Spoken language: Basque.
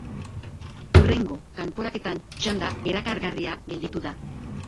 Hurrengo kanporaketan txanda erakargarria gelditu da.